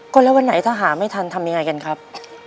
ก็แล้ววันไหนถ้าหาไม่ทันทำยังไงกันครับ